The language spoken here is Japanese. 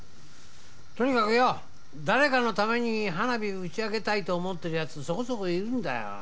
とにかくよ誰かのために花火打ち上げたいと思ってる奴そこそこいるんだよ。